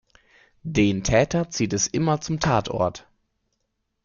Den Täter zieht es immer zum Tatort.